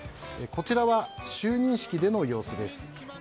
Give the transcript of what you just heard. こちらは、就任式での様子です。